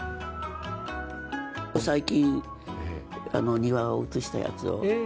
最近、庭を写したやつを。